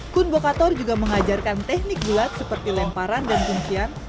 kun bokator juga mengajarkan teknik bulat seperti lemparan dan kuncian